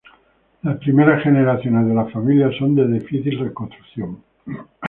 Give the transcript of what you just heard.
Las primeras generaciones de la familia son de difícil reconstrucción.